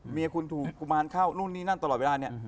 เมียคุณถูกกุมารเข้านู่นนี่นั่นตลอดเวลาเนี่ย